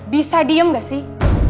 bisa diem gak sih